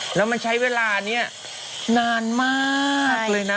แล้วมันใช้เวลานี้นานมากเลยนะ